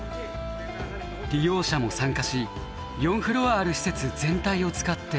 利用者も参加し４フロアある施設全体を使って行います。